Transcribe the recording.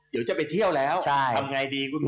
เดี๋ยวจะไปเที่ยวแล้วทำไงดีคุณหมอ